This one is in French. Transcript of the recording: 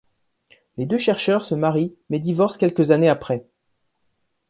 Les deux chercheurs se marient mais divorcent quelques années après.